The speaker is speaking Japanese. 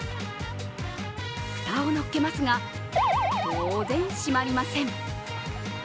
フタを乗っけますが、当然、閉まりません。